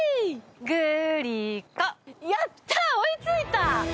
グ・リ・コやった追いついた！